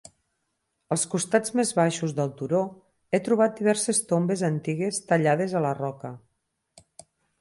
Als costats més baixos del turó he trobat diverses tombes antigues tallades a la roca.